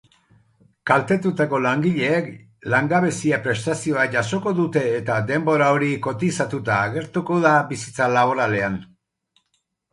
Kaltetutako langileek langabezia-prestazioa jasoko dute eta denbora hori kotizatuta agertuko da bizitza laboralean.